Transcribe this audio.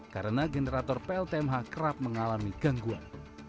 karena generator pltmh kerap mengalami gangguan